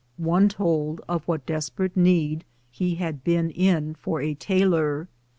One told of what desperate need he had been in for a tailor.